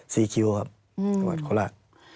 จังหวัดโคลา